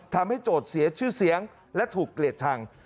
ทำให้โจทย์เสียชื่อเสียงและถูกเกลียดทาง